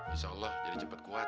insya allah jadi cepat kuat